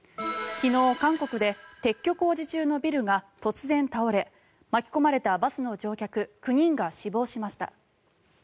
昨日、韓国で撤去工事中のビルが突然倒れ巻き込まれたバスの乗客９人が死亡しました。